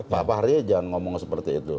pak fahri jangan ngomong seperti itu